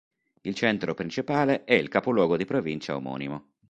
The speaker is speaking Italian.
Il centro principale è il capoluogo di provincia omonimo.